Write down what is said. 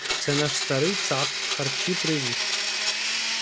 — Це наш старий "цап" харчі привіз.